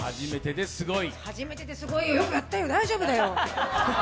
初めてですごいよ、よくやったよ、大丈夫だよ。